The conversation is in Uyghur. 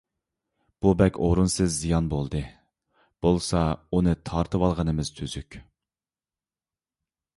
بۇ بەك ئورۇنسىز زىيان بولدى. بولسا، ئۇنى تارتىۋالغىنىمىز تۈزۈك،